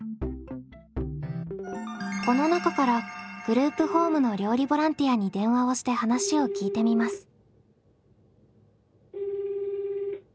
この中からグループホームの料理ボランティアに電話をして話を聞いてみます。